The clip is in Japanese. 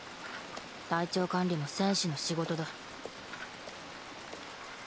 体調管理も戦士の仕事だ。